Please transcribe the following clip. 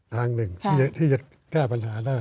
ทางหนึ่งที่จะแก้ปัญหาได้